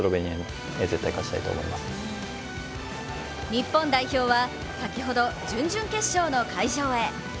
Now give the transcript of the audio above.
日本代表は先ほど、準々決勝の会場へ。